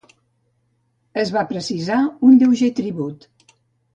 Es va precisar un lleuger tribut.